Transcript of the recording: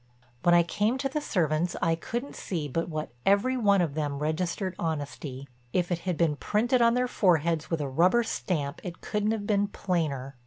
When I came to the servants I couldn't see but what every one of them registered honesty. If it had been printed on their foreheads with a rubber stamp it couldn't have been plainer.